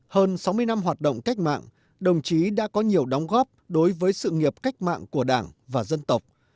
hơn sáu mươi năm hoạt động cách mạng đồng chí đã có nhiều đóng góp đối với sự nghiệp cách mạng của đảng và dân tộc